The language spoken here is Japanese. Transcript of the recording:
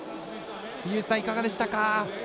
杉内さん、いかがでしたか？